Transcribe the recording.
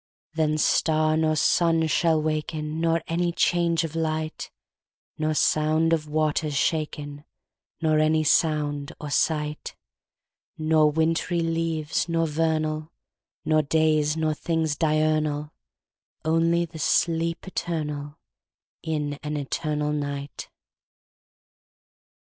Then star nor sun shall waken, Nor any change of light:Nor sound of waters shaken, Nor any sound or sight:Nor wintry leaves nor vernal, Nor days nor things diurnal; Only the sleep eternalIn an eternal night.